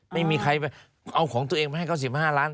ไม่มีใครไปเอาของตัวเองไปให้เขา๑๕ล้าน